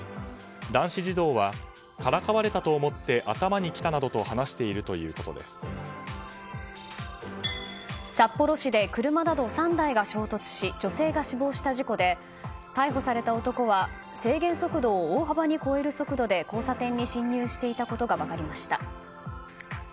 男子児童はからかわれたと思って頭にきたなどと札幌市で車など３台が衝突し女性が死亡した事故で逮捕された男は制限速度を大幅に超える速度で交差点に進入していたことが分かりました。